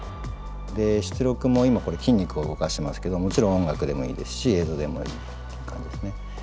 出力も今これ筋肉を動かしてますけどもちろん音楽でもいいですし映像でもいい感じですね。